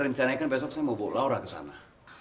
rencananya kan besok saya mau pulang udah kesana